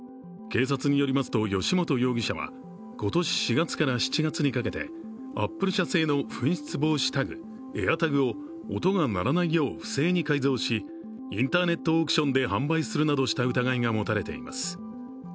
警察によりますと由元容疑者は今年４月から７月にかけてアップル社製の紛失防止タグＡｉｒＴａｇを音が鳴らないよう不正に改造しインターネットオークションで販売するなどした疑いが持たれています。